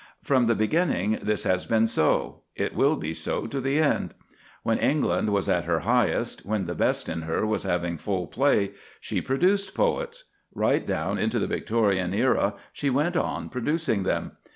From the beginning this has been so; it will be so to the end. When England was at her highest, when the best in her was having full play, she produced poets. Right down into the Victorian Era she went on producing them.